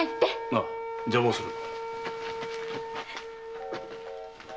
あああ邪魔をする。